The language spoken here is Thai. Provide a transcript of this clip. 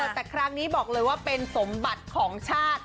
แต่ครั้งนี้บอกเลยว่าเป็นสมบัติของชาติ